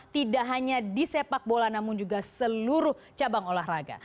tidak hanya di sepak bola namun juga seluruh cabang olahraga